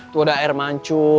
tuh ada air mancur